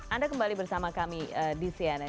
anda kembali bersama kami di cnn indonesia